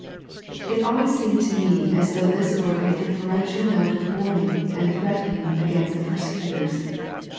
It always seems to me as though this were an inferential note of warning and threat ening against the persecutors.